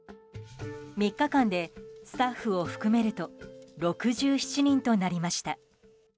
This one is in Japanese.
３日間でスタッフを含めると６７人となりました。